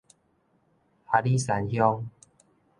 阿里山鄉